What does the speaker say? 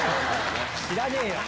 知らねえよ！